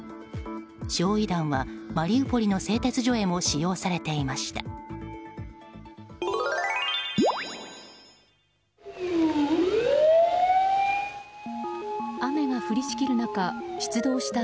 焼夷弾はマリウポリの製鉄所へも使用されていました。